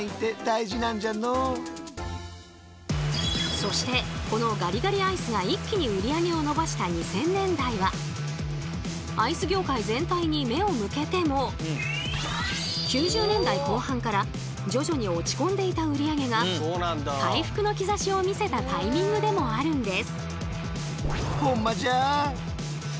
そしてこのガリガリアイスが一気に売り上げを伸ばした２０００年代はアイス業界全体に目を向けても９０年代後半から徐々に落ち込んでいた売り上げが回復の兆しを見せたタイミングでもあるんです！